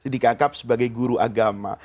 dikanggap sebagai guru agama